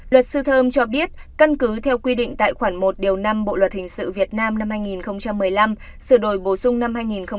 luật sư thơm cho biết căn cứ theo quy định tại khoản một năm bộ luật hình sự việt nam năm hai nghìn một mươi năm sửa đổi bổ sung năm hai nghìn một mươi bảy